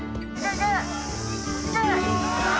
いけ！